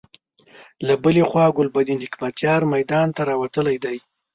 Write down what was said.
له بلې خوا ګلبدين حکمتیار میدان ته راوتلی دی.